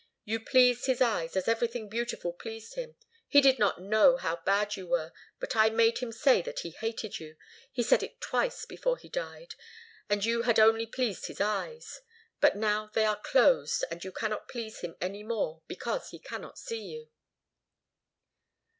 You pleased his eyes as everything beautiful pleased him. He did not know how bad you were. But I made him say that he hated you, he said it twice before he died, and you had only pleased his eyes. But now they are closed, and you cannot please him any more, because he cannot see you."